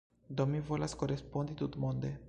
Mi volas korespondi tutmonde.